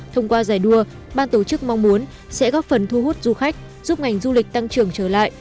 thông qua giải đua ban tổ chức mong muốn sẽ góp phần thu hút du khách giúp ngành du lịch tăng trưởng trở lại